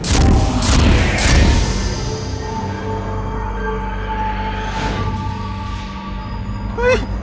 ให้คุณหูเชี้ยงของฉัน